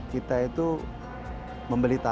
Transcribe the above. kita itu membeli tanah